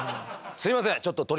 すいません。